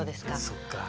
そっか。